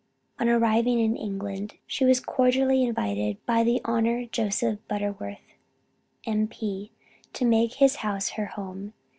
On arriving in England, she was cordially invited by the Hon. Joseph Butterworth, M.P., to make his house her home.